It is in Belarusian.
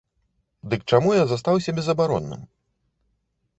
Дык чаму я застаўся безабаронным?